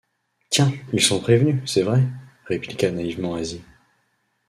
Tiens, ils sont prévenus, c’est vrai! répliqua naïvement Asie.